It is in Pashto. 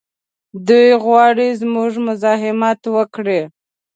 دوی غواړي زموږ مزاحمت وکړي.